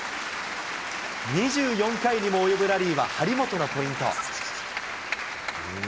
２４回にも及ぶラリーは、張本のポイント。